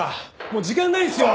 もう時間ないんですよ！